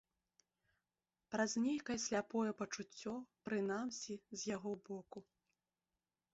Праз нейкае сляпое пачуццё, прынамсі, з яго боку.